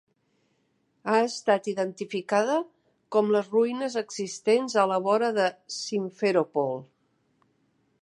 Ha estat identificada com les ruïnes existents a la vora de Simferopol.